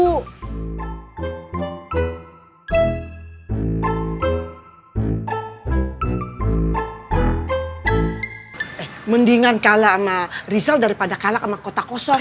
mendingan kalah sama rizal daripada kalah sama kota kosong